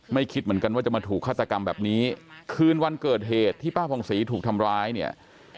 คิดเหมือนกันว่าจะมาถูกฆาตกรรมแบบนี้คืนวันเกิดเหตุที่ป้าผ่องศรีถูกทำร้ายเนี่ย